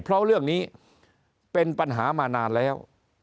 เพราะเรื่องนี้เป็นปัญหามานานแล้ว